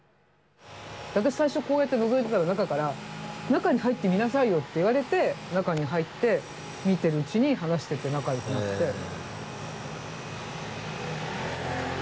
私最初こうやってのぞいてたら中から「中に入って見なさいよ」って言われて中に入って見てるうちに話してて仲良くなって。